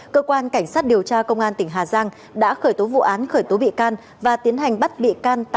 cơ quan cảnh sát điều tra công an tỉnh hà giang đã khởi tố vụ án khởi tố bị can và tiến hành bắt bị can tạm giam bốn tháng để điều tra